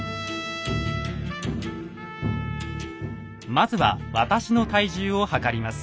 まずは私の体重を量ります。